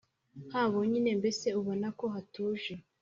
habonyine mbese ubona ko hatuje.